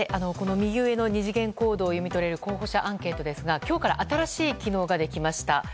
右上の２次元コードを読み取ると見れる候補者アンケートですが今日から新しい機能ができました。